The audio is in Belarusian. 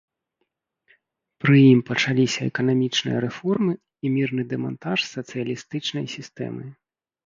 Пры ім пачаліся эканамічныя рэформы і мірны дэмантаж сацыялістычнай сістэмы.